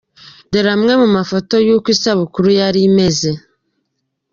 Dore amwe mu mafoto y’ uko isabukuru yari imeze :